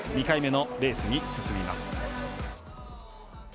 ２回目のレースに進みます。